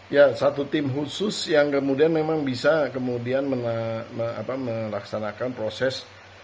ya satu tim khusus yang kemudian memang bisa kemudian melaksanakan proses